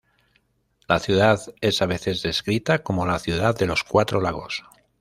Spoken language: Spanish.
La ciudad es a veces descrita como la Ciudad de los Cuatro Lagos.